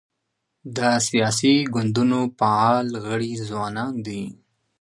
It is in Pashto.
د سیاسي ګوندونو فعال غړي ځوانان دي.